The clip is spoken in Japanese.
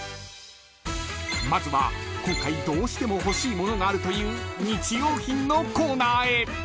［まずは今回どうしても欲しい物があるという日用品のコーナーへ］